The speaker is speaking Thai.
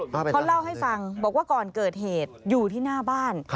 เขาเล่าให้ฟังบอกว่าก่อนเกิดเหตุอยู่ที่หน้าบ้าน